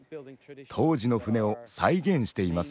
当時の船を再現しています。